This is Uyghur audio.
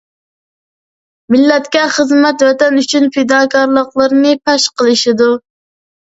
مىللەتكە خىزمەت، ۋەتەن ئۈچۈن پىداكارلىقلىرىنى پەش قىلىشىدۇ.